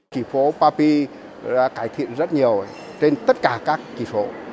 chỉ số papi đã cải thiện rất nhiều trên tất cả các chỉ số